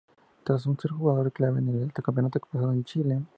Tras ser un jugador clave en el campeonato pasado en Chile.